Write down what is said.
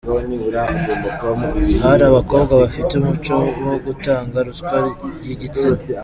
Hari abakobwa bafite umuco wo gutanga ruswa y’igitsina .